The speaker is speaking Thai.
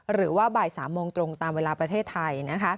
หรือว่าบ่าย๓โมงตรงตามเวลาประเทศไทย